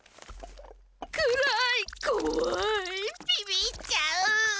暗いこわいビビっちゃう。